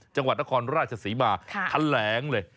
จังหวัดนครราชศรีมาแถลงเลย